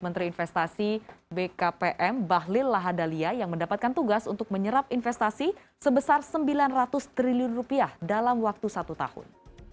menteri investasi bkpm bahlil lahadalia yang mendapatkan tugas untuk menyerap investasi sebesar sembilan ratus triliun rupiah dalam waktu satu tahun